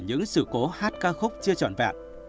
những sự cố hát ca khúc chưa trọn vẹn